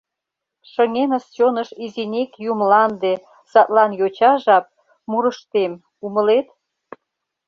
Шыҥеныс чоныш изинек ю мланде, Садлан йоча жап — мурыштем, умылет?..